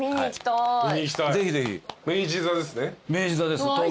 明治座ですね？